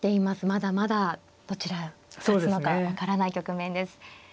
まだまだどちらが勝つのか分からない局面です。